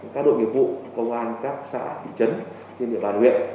các đội nghiệp vụ công an các xã thị trấn trên địa bàn huyện